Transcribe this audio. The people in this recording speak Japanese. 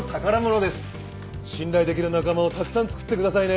信頼できる仲間をたくさんつくってくださいね。